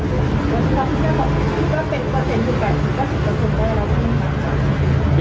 คือตอนนี้มันทำเกินไปแล้วนะครับ